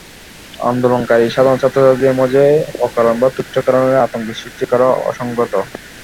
আন্দোলনকারী সাধারণ ছাত্রছাত্রীদের মাঝে অকারণ বা তুচ্ছ কারণে আতঙ্ক সৃষ্টি করা অসংগত।